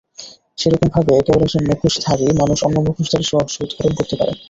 সেরকমভাবে, কেবল একজন মুখোশধারী মানুষ অন্য মুখোশধারীর রহস্য উদঘাটন করতে পারে।